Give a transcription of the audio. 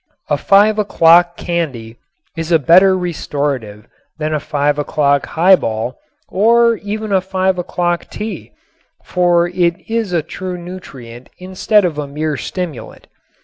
A five o'clock candy is a better restorative than a five o'clock highball or even a five o'clock tea, for it is a true nutrient instead of a mere stimulant.